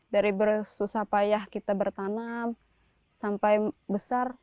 dari bersusah payah kita bertanam sampai besar